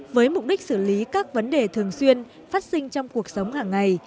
với mục đích xử lý các vấn đề thường xuyên phát sinh trong cuộc sống hàng ngày